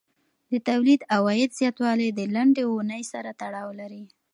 د تولید او عاید زیاتوالی د لنډې اونۍ سره تړاو لري.